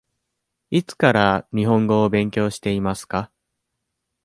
いつから日本語を勉強していますか。